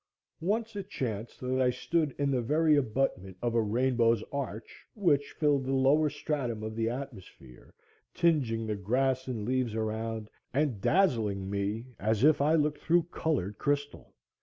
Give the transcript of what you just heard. Once it chanced that I stood in the very abutment of a rainbow's arch, which filled the lower stratum of the atmosphere, tinging the grass and leaves around, and dazzling me as if I looked through colored crystal.